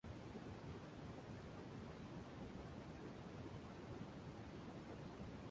তাঁর বাবা একজন ওয়েল্ডার এবং মা দর্জি হিসেবে কাজ করতেন।